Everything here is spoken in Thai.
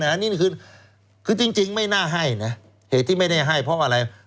อันนี้คือจริงไม่น่าให้นะเหตุที่ไม่ได้ให้เพราะอะไร